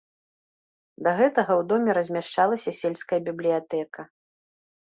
Да гэтага ў доме размяшчалася сельская бібліятэка.